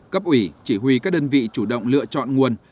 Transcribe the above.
cấp ủy chỉ huy các đơn vị chủ động lựa chọn nguồn